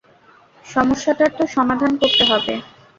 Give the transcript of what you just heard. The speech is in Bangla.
সমস্যাটার তো সমাধান করতে হবে।